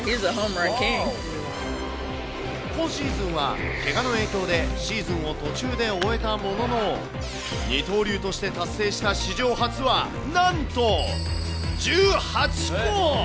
今シーズンはけがの影響でシーズンを途中で終えたものの、二刀流として達成した史上初は、なんと１８個。